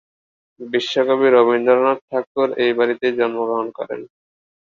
বিশ্বকবি রবীন্দ্রনাথ ঠাকুর এই বাড়িতেই জন্মগ্রহণ করেন।